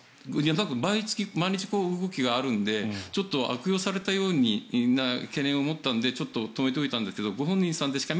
なんか毎日動きがあるのでちょっと悪用されたような懸念を持ったのでちょっと止めておいたんですけどご本人ですか？